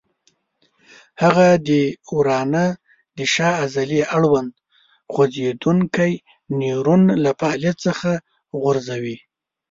هغه د ورانه د شا عضلې اړوند خوځېدونکی نیورون له فعالیت څخه غورځوي.